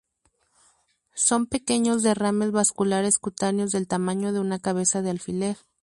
Son pequeños derrames vasculares cutáneos del tamaño de una cabeza de alfiler.